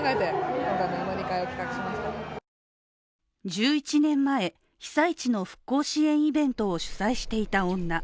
１１年前、被災地の復興支援イベントを主催していた女。